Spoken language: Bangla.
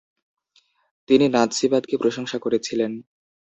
তিনি নাৎসিবাদকে প্রশংসা করেছিলেন।